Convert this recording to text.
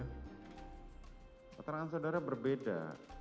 keterangan saudara berbeda